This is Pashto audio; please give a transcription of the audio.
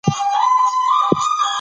بحث د يو کتاب لامل شو.